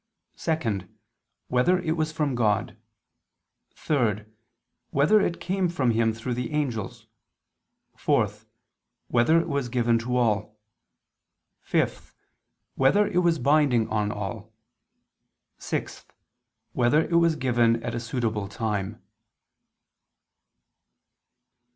(2) Whether it was from God? (3) Whether it came from Him through the angels? (4) Whether it was given to all? (5) Whether it was binding on all? (6) Whether it was given at a suitable time?